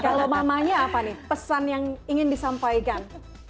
kalau mamanya apa nih pesan yang ingin disampaikan